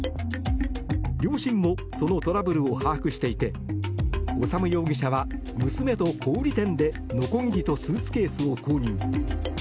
両親もそのトラブルを把握していて修容疑者は娘と小売店でのこぎりとスーツケースを購入。